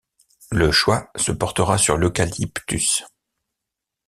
Le choix se portera sur l'eucalyptus.